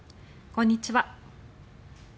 こんにちは。